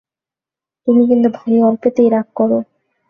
তুমি কিন্তু ভারি অল্পেতেই রাগ কর।